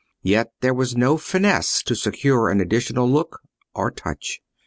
Yet there was no finesse to secure an additional look or touch.